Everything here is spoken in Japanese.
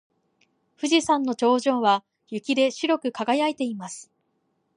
富士山の頂上は雪で白く輝いています。